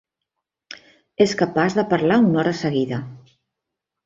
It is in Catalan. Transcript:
És capaç de parlar una hora seguida.